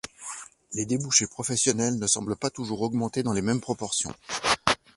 Les débouchés professionnels ne semblent pas toujours augmenter dans les mêmes proportions.